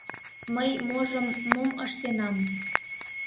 Мый можым мом ыштенам...